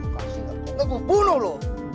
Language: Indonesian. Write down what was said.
kasian sekali itu gue bunuh lo